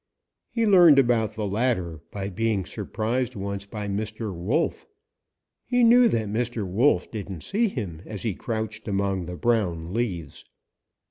He learned about the latter by being surprised once by Mr. Wolf. He knew that Mr. Wolf didn't see him as he crouched among the brown leaves.